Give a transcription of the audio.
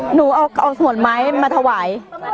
หนูเอาส่วนไม้มาถวาย